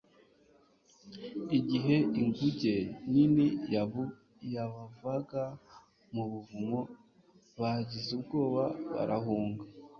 Igihe inguge nini yavaga mu buvumo, bagize ubwoba barahunga.